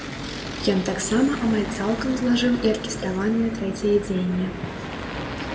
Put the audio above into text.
Ён таксама амаль цалкам злажыў і аркестраванае трэцяе дзеянне.